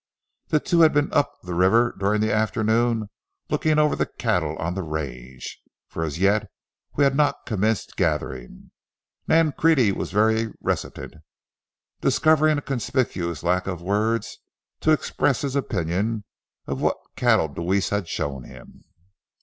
The two had been up the river during the afternoon, looking over the cattle on the range, for as yet we had not commenced gathering. Nancrede was very reticent, discovering a conspicuous lack of words to express his opinion of what cattle Deweese had shown him.